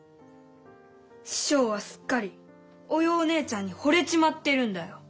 師匠はすっかりおようねえちゃんにほれちまってるんだよ！